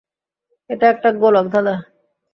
এটা একটা গোলকধাঁধাঁ।